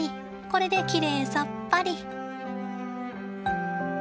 これできれいさっぱり。